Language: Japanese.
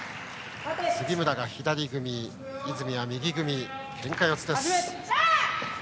杉村が左組み、泉は右組みのけんか四つです。